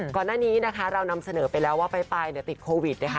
ก่อนหน้านี้นะคะเรานำเสนอไปแล้วว่าปลายติดโควิดนะคะ